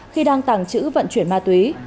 khi đang tàng trữ vận chuyển ma túy